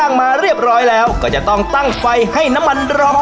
นี่ราบผักชีค่ะ